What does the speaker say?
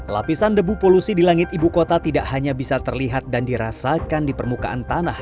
lapisan debu polusi di langit ibu kota tidak hanya bisa terlihat dan dirasakan di permukaan tanah